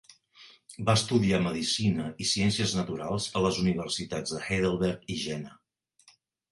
Va estudiar medicina i ciències naturals a les universitats de Heidelberg i Jena.